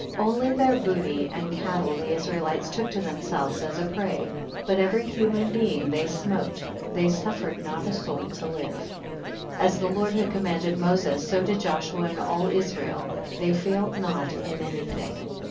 49. Only their booty and cattle the Israelites took to themselves as a prey, but every human being they smote, they suffered not a soul to live. 50. As the Lord had commanded Moses so did Joshua and all Israel, they failed not in any thing.